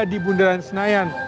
di bundaran senayan